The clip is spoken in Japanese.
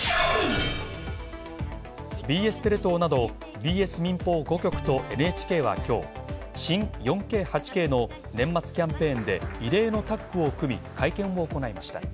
ＢＳテレ東などＢＳ民放５局とＮＨＫはきょう新４Ｋ８Ｋの年末キャンペーンで異例のタッグを組み、会見を行いました。